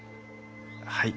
はい。